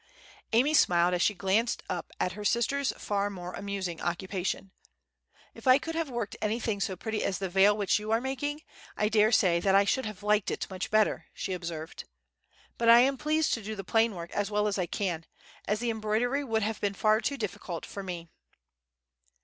Amy smiled as she glanced up at her sister's far more amusing occupation. "If I could have worked anything so pretty as the veil which you are making, I daresay that I should have liked it much better," she observed. "But I am pleased to do the plain work as well as I can, as the embroidery would have been far too difficult for me."